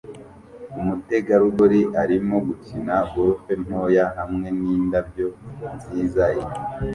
Umutegarugori arimo gukina golf ntoya hamwe nindabyo nziza inyuma